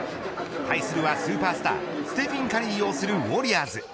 対するはスーパースターステフィン・カリー擁するウォリアーズ。